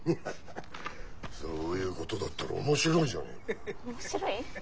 そういうことだったら面白いじゃねえか。